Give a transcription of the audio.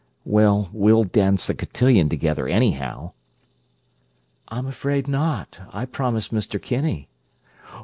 "Well, we'll dance the cotillion together, anyhow." "I'm afraid not. I promised Mr. Kinney."